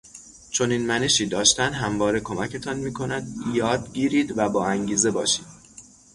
چنین منشی داشتن همواره کمکتان میکند یادگیرید و با انگیزه باشید.